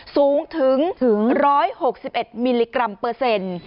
สูงถึง๑๖๑มิลลิกรัมเปอร์เซ็นต์